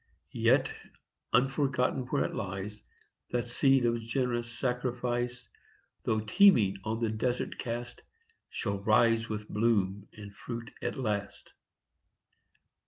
Yet, unforgotten where it lies, That seed of generous sacrifice, Though teeming on the desert cast, Shall rise with bloom and fruit at last.